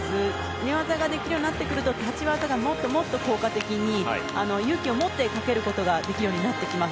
寝技ができるようになってくると立ち技がもっともっと効果的に勇気を持ってかけることができるようになってきます。